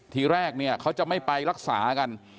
ทีแรกเขาจะไม่ไปรักษากัน